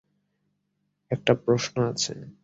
একটা প্রশ্ন আছে।